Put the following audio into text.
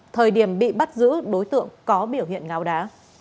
thời điểm bị bắt giữ đối tượng có biểu hiện ngáo đá